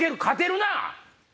勝てるな。